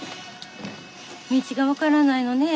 道が分からないのね。